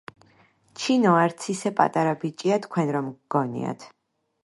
ჩინო არც ისე პატარა ბიჭია, თქვენ რომ გგონიათ.